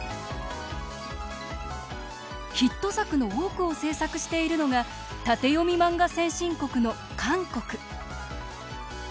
ヒット作の多くを制作しているのが縦読み漫画先進国の韓国。